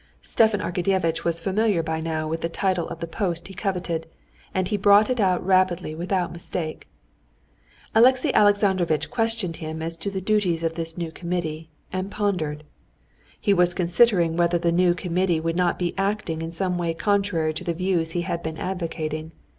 Stepan Arkadyevitch was familiar by now with the title of the post he coveted, and he brought it out rapidly without mistake. Alexey Alexandrovitch questioned him as to the duties of this new committee, and pondered. He was considering whether the new committee would not be acting in some way contrary to the views he had been advocating.